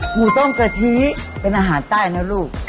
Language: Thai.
หมูต้มกะทิเป็นอาหารใต้นะลูก